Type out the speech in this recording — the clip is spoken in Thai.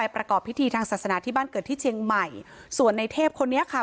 ประกอบพิธีทางศาสนาที่บ้านเกิดที่เชียงใหม่ส่วนในเทพคนนี้ค่ะ